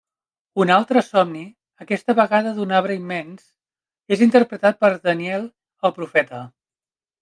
Un altre somni, aquesta vegada d'un arbre immens, és interpretat per Daniel el profeta.